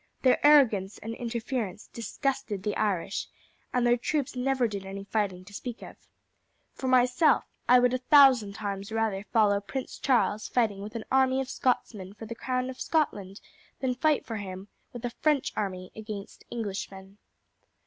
Their arrogance and interference disgusted the Irish, and their troops never did any fighting to speak of. For myself, I would a thousand times rather follow Prince Charles fighting with an army of Scotsmen for the crown of Scotland than fight for him with a French army against Englishmen."